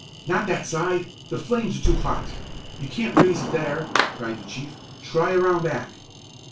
"Not that side! The flames are too hot! You can't raise it there!" cried the chief. "Try around back!"